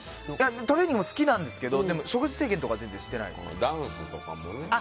トレーニング好きなんですけど食事制限とかは全然してないです。